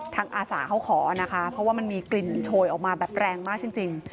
อาสาเขาขอนะคะเพราะว่ามันมีกลิ่นโชยออกมาแบบแรงมากจริง